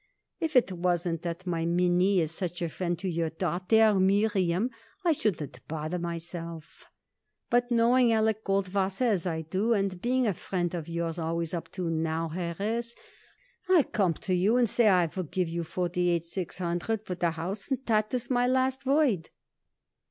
If it wasn't that my Minnie is such a friend to your daughter Miriam I shouldn't bother myself; but, knowing Alec Goldwasser as I do, and being a friend of yours always up to now, Harris, I come to you and say I will give you forty eight six hundred for the house, and that is my last word."